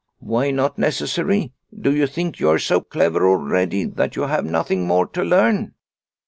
" Why not necessary ? Do you think you are so clever already that you have nothing more to learn